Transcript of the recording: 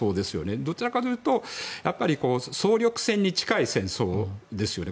どちらかというと総力戦に近い戦争ですよね。